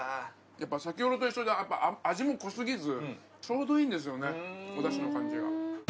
やっぱ先ほどと一緒で味も濃すぎずちょうどいいんですよねお出汁の感じが。